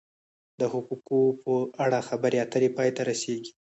د حقوقو په اړه خبرې اترې پای ته رسیږي.